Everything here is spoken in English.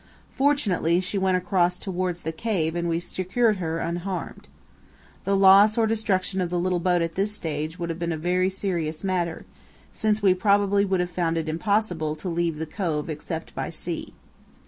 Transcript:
Fortunately, she went across towards the cave and we secured her, unharmed. The loss or destruction of the boat at this stage would have been a very serious matter, since we probably would have found it impossible to leave the cove except by sea.